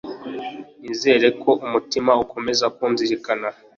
Nizera ko umutima ukomeza kunzirikana